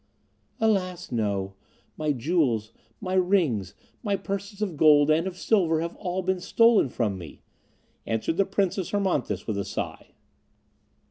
"Alas, no! My jewels, my rings, my purses of gold and of silver have all been stolen from me," answered the Princess Hermonthis with a sigh.